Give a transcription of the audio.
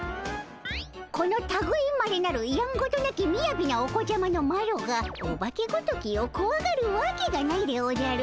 このたぐいまれなるやんごとなきみやびなお子ちゃまのマロがオバケごときをこわがるわけがないでおじゃる。